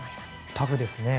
タフですね。